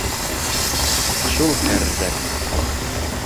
Шул кәр-рәк!